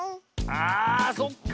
あそっか。